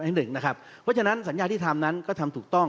เพราะฉะนั้นสัญญาที่ทำนั้นก็ทำถูกต้อง